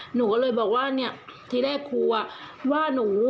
หนูก็เลยบอกว่าเนี่ยทีแรกครูว่าหนู